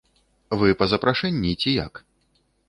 Вы па запрашэнні ці як?